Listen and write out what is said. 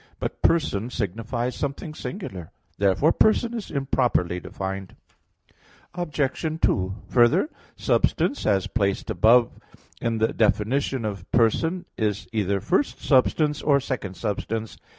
But "person" signifies something singular. Therefore person is improperly defined. Obj. 2: Further, substance as placed above in the definition of person, is either first substance, or second substance.